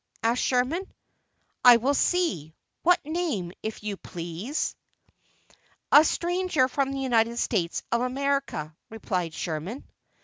asked Sherman. "I will see, sir. What name, if you plaze?" "A stranger from the United States of America!" replied Sherman.